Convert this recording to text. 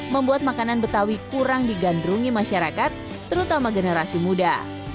membuat makanan betawi kurang digandrungi masyarakat terutama generasi muda